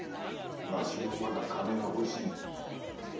わしもまだ金は欲しい。